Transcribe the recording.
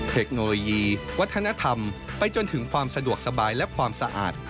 เทคโนโลยีวัฒนธรรมไปจนถึงความสะดวกสบายและความสะอาด